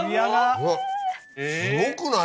うわすごくない？